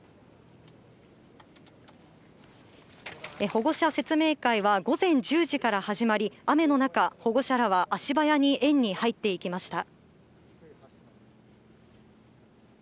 保護者説明会は午前１０時から始まり、雨の中、保護者らは足早に園に入っていきました。